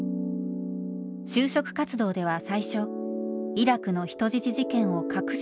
就職活動では最初イラクの人質事件を隠して応募しました。